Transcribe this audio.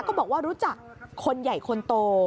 ก็บอกว่ารู้จักคนใหญ่คนโต